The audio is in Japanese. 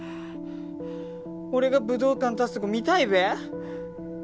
俺が武道館立つとこ見たいべ？